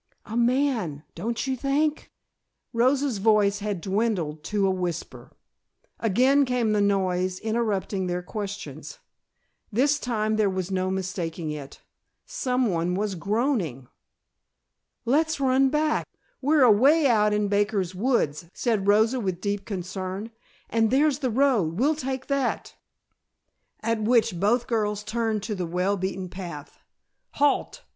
"A man, don't you think?" Rosa's voice had dwindled to a whisper. Again came the noise interrupting their questions. This time there was no mistaking it. Someone was groaning. "Let's run back; we're away out in Baker's Woods," said Rosa with deep concern. "And there's the road. We'll take that," at which both girls turned to the well beaten path. "Halt!"